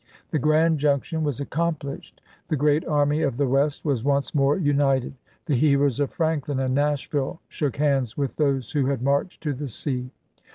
The grand junction was accomplished, the great Army of the West was once more united; the heroes of Franklin and Nashville shook hands with those who had marched to the sea.